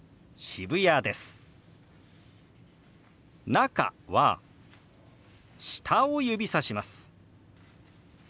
「中」は下を指さします。